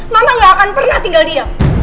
mama gak akan pernah tinggal diam